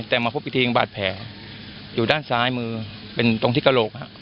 แต่มาพบอีกทีบาดแผลอยู่ด้านซ้ายมือเป็นตรงที่กระโหลก